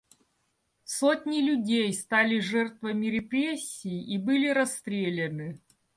Сотни людей стали жертвами репрессий и были расстреляны.